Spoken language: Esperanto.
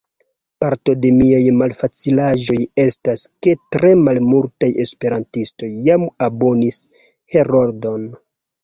Parto de miaj malfacilaĵoj estas, ke tre malmultaj esperantistoj jam abonis Heroldon.